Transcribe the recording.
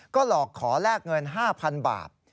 ก็หลอกขอแลกเงิน๕๐๐๐บาท